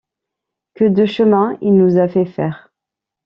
Que de chemin il nous a fait faire!